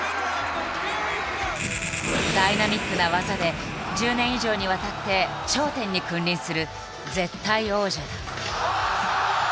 ダイナミックな技で１０年以上にわたって頂点に君臨する絶対王者だ。